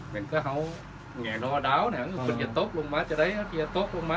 มันก็เขาแหงรอดาวนะครับคุณอย่าตกลงมา